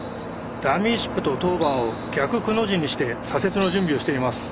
ダミーシップとトーバーを「逆くの字」にして左折の準備をしています。